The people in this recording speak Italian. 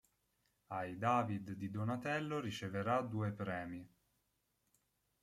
Ai David di Donatello riceverà due premi.